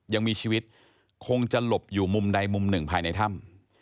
ยังมีชีวิตคงจะหลบอยู่มุมใดมุมหนึ่งภายในถ้ำ